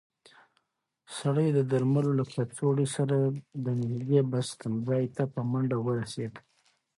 سړی د درملو له کڅوړې سره د نږدې بس تمځای ته په منډه ورسېد.